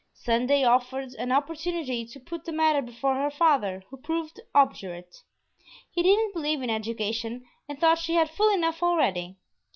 Sunday offered an opportunity to put the matter before her father, who proved obdurate. He didn't believe in education and thought she had full enough already.